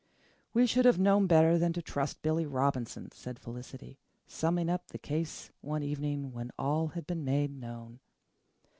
"We should have known better than to trust Billy Robinson," said Felicity, summing up the case one evening when all had been made known.